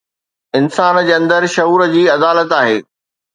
انسان جي اندر شعور جي عدالت آهي.